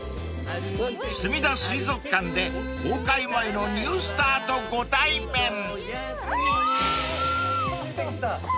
［すみだ水族館で公開前のニュースターとご対面］わぁー！